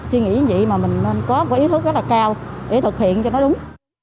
chị nghĩ như vậy mà mình có ý thức rất là cao để thực hiện cho nó đúng